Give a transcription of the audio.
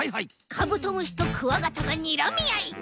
カブトムシとクワガタがにらみあい！